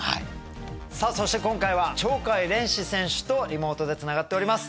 さあそして今回は鳥海連志選手とリモートでつながっております。